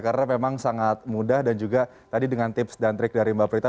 karena memang sangat mudah dan juga tadi dengan tips dan trik dari mbak prita